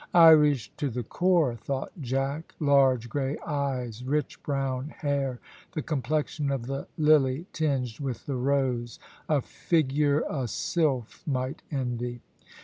"Irish to the core," thought Jack. "Large grey eyes, rich brown hair the complexion of the lily tinged with the rose a figure a sylph might envy."